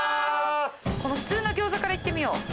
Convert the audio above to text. この普通の餃子からいってみよう。